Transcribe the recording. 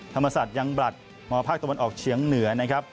ธรรมศาสตร์ยังบลัดมภาคตะวันออกเฉียงเหนือนะครับ